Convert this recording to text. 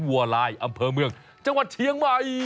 ถนนวัลายอำเภอเมืองเชียงใหม่